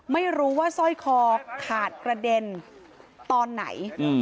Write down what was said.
ไม่รู้ว่าสร้อยคอขาดกระเด็นตอนไหน